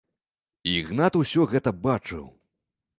Ігнат ўсё гэта бачыў.